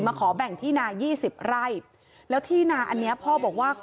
มาขอแบ่งที่นา๒๐ไร่แล้วที่นาอันนี้พ่อบอกว่า